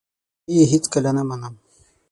زه یې هیڅکله نه منم !